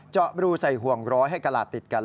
เจาะรูใส่ห่วงร้อยให้กระลาดติดกัน